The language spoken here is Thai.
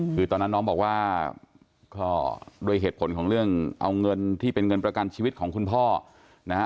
คือตอนนั้นน้องบอกว่าก็ด้วยเหตุผลของเรื่องเอาเงินที่เป็นเงินประกันชีวิตของคุณพ่อนะฮะ